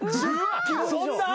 そんな？